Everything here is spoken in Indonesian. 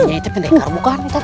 nyanyi tapi enggak rupakan